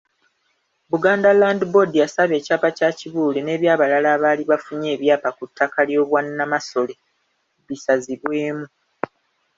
Buganda Land Board yasaba ekyapa kya Kibuule n’ebyabalala abaali bafunye ebyapa ku ttaka ly’obwannamasole bisazibwemu.